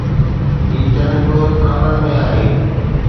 هي چنڊ به ڪالن ۾ آهي